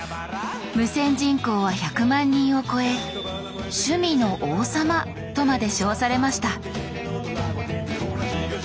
無線人口は１００万人を超え「趣味の王様」とまで称されました。